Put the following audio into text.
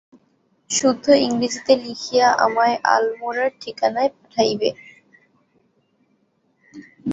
শুদ্ধ ইংরেজীতে লিখিয়া আমায় আলমোড়ার ঠিকানায় পাঠাইবে।